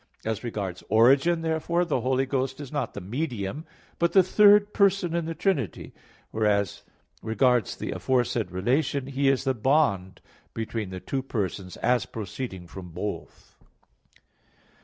As regards origin, therefore, the Holy Ghost is not the medium, but the third person in the Trinity; whereas as regards the aforesaid relation He is the bond between the two persons, as proceeding from both.